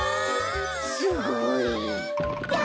すごい。わ！